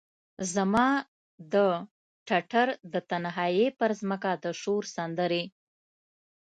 زما د ټټر د تنهایې پرمځکه د شور سندرې،